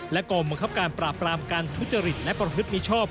กองบังคับการปราบรามการทุจริตและประพฤติมิชอบ